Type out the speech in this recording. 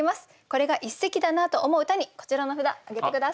これが一席だなと思う歌にこちらの札挙げて下さい。